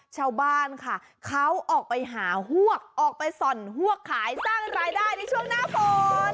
ชาวบ้านค่ะเขาออกไปหาฮวกออกไปส่อนฮวกขายสร้างรายได้ในช่วงหน้าฝน